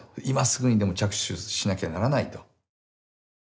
今すぐにでも着手しなきゃならないと。